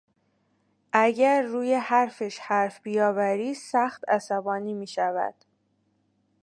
اگر روی حرفش حرف بیاوری سخت عصبانی میشود.